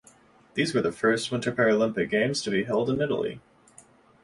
These were the first Winter Paralympic Games to be held in Italy.